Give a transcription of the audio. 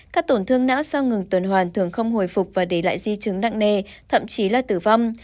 các tổn thương não do ngừng tuần hoàn thường không hồi phục và để lại di chứng nặng nề thậm chí là tử vong